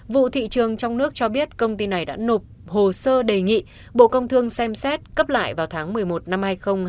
vụ thị trường trong nước cho biết công ty này đã nộp hồ sơ đề nghị bộ công thương xem xét cấp lại vào tháng một mươi một năm hai nghìn hai mươi